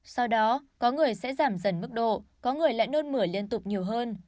sau đó có người sẽ giảm dần mức độ có người lại nôn mửa liên tục nhiều hơn